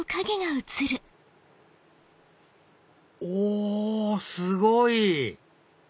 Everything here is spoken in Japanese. おすごい！